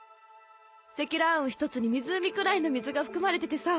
積乱雲１つに湖くらいの水が含まれててさ。